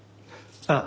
ああ。